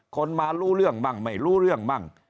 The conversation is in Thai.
คนมารู้เรื่องมั่งไม่รู้เรื่องมั่ง